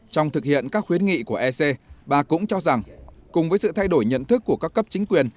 trong thực hiện các khuyến nghị của ec bà cũng cho rằng cùng với sự thay đổi nhận thức của các cấp chính quyền